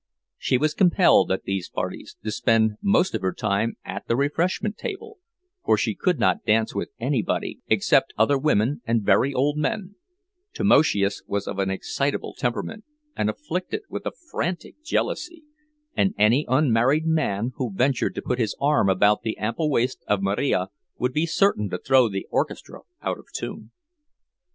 She was compelled, at these parties, to spend most of her time at the refreshment table, for she could not dance with anybody except other women and very old men; Tamoszius was of an excitable temperament, and afflicted with a frantic jealousy, and any unmarried man who ventured to put his arm about the ample waist of Marija would be certain to throw the orchestra out of tune.